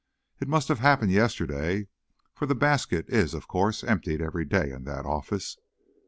It must have happened yesterday, for the basket is, of course, emptied every day in that office."